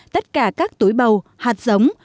tất cả các túi bầu hạt giống